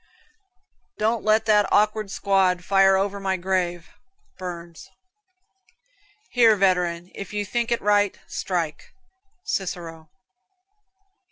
"Don't let that awkward squad fire over my grave." Burns. "Here, veteran, if you think it right, strike." Cicero.